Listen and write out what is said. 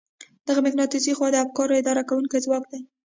دغه مقناطيسي خواص د افکارو اداره کوونکی ځواک دی.